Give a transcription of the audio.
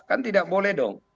kan tidak boleh dong